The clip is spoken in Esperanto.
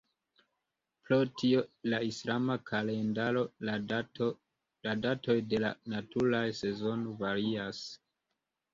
Pro tio la islama kalendaro la datoj de la naturaj sezonoj varias.